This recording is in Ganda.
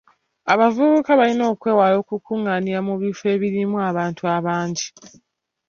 Abavubuka balina okwewala okukunganira mu bifo ebirimu abantu abangi.